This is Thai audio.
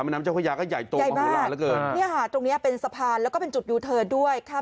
แม่น้ำเจ้าพระยาก็ใหญ่โตของเวลาเหลือเกินเนี้ยฮะตรงเนี้ยเป็นสะพานแล้วก็เป็นจุดอยู่เถิดด้วยค่ะ